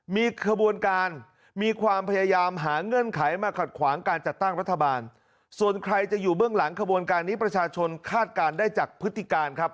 มีขบวนการมีความพยายามหาเงื่อนไขมาขัดขวางการจัดตั้งรัฐบาลส่วนใครจะอยู่เบื้องหลังขบวนการนี้ประชาชนคาดการณ์ได้จากพฤติการครับ